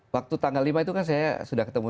waktu tanggal lima itu kan saya sudah ketemu